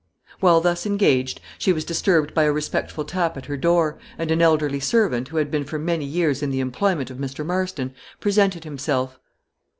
While thus engaged, she was disturbed by a respectful tap at her door, and an elderly servant, who had been for many years in the employment of Mr. Marston, presented himself.